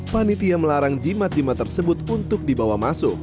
panitia melarang jimat jimat tersebut untuk dibawa masuk